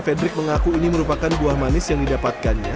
fedrik mengaku ini merupakan buah manis yang didapatkannya